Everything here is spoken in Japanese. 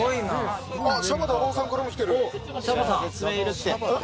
シャバ駄馬男さんからも来てる。